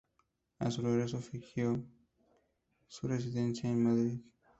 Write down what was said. A su regreso fijó su residencia en Madrid.